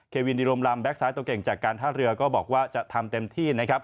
วินดิรมลำแก๊กซ้ายตัวเก่งจากการท่าเรือก็บอกว่าจะทำเต็มที่นะครับ